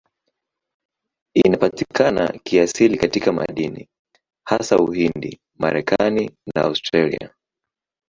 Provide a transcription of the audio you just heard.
Inapatikana kiasili katika madini, hasa Uhindi, Marekani na Australia.